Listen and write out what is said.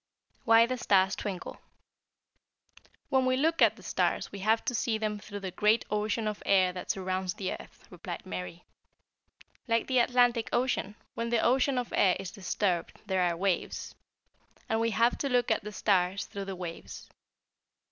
WHY THE STARS TWINKLE. "When we look at the stars we have to see them through the great ocean of air that surrounds the earth," replied Mary. "Like the Atlantic Ocean, when the ocean of air is disturbed there are waves, and we have to look at the stars through the waves.